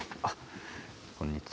こんにちは。